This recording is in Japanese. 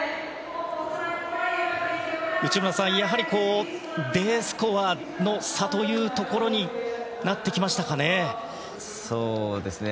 内村さん、やはりＤスコアの差というところになってきましたかね。